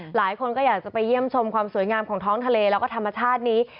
หลายคนก็อยากจะไปเยี่ยมชมความสวยงามของท้องทะเลแล้วก็ธรรมชาตินี้